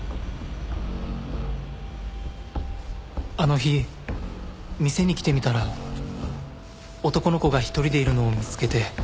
あの日店に来てみたら男の子が一人でいるのを見つけて。